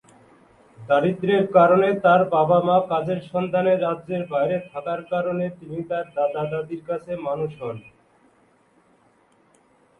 দারিদ্রের কারণে তার বাবা মা কাজের সন্ধানে রাজ্যের বাইরে থাকার কারণে তিনি তার দাদা- দাদীর কাছে মানুষ হন।